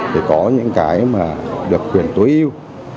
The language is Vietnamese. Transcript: thì có những cái mà được quyền tối yêu